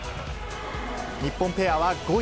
日本ペアは５位。